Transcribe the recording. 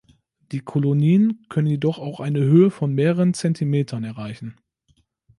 Die Kolonien können jedoch auch eine Höhe von mehreren Zentimetern erreichen.